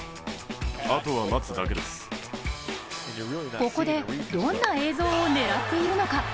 ここでどんな映像を狙っているのか？